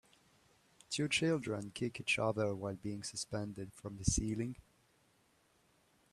Two children kick each other while being suspended from the ceiling.